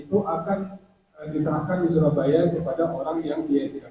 itu akan diserahkan di surabaya kepada orang yang dia tidak